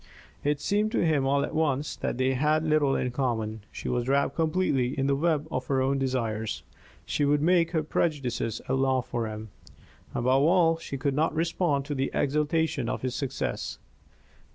It seemed to him all at once that they had little in common. She was wrapped completely in the web of her own desires; she would make her prejudices a law for him. Above all, she could not respond to the exultation of his success.